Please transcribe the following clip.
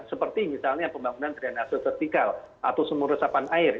seperti misalnya pembangunan drenase vertikal atau sumur resapan air